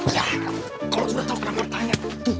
kalau sudah tahu kenapa bertanya